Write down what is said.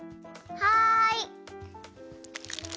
はい！